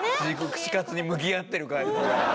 串かつに向き合ってる感じで。